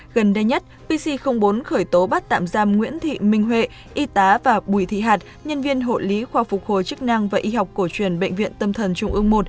gần đây nhất pc bốn khởi tố bắt tạm giam nguyễn thị minh huệ y tá và bùi thị hạt nhân viên hộ lý khoa phục hồi chức năng và y học cổ truyền bệnh viện tâm thần trung ương một